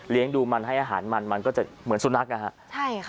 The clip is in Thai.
ดูมันให้อาหารมันมันก็จะเหมือนสุนัขนะฮะใช่ค่ะ